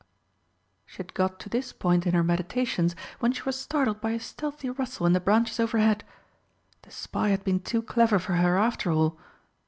She had got to this point in her meditations when she was startled by a stealthy rustle in the branches overhead. The spy had been too clever for her after all!